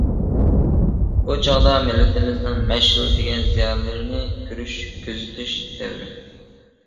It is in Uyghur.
بۇ چاغدا مىللىتىمىزنىڭ مەشھۇر دېگەن زىيالىيلىرىنى كۆرۈش، كۆزىتىش دەۋرىم.